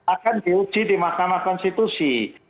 akan diuji di mahkamah konstitusi